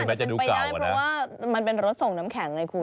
อาจจะเป็นไปได้เพราะว่ามันเป็นรถส่งน้ำแข็งไงคุณ